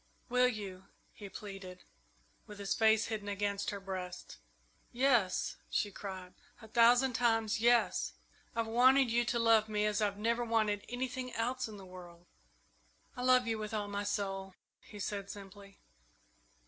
"Will you?" he pleaded, with his face hidden against her breast. "Yes," she cried, "a thousand times, yes! I've wanted you to love me as I've never wanted anything else in the world!" "I love you with all my soul," he said simply.